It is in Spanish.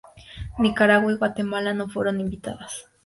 Nicaragua y Guatemala no fueron invitadas.